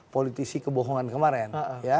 politisi kebohongan kemarin